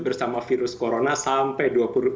bersama virus corona sampai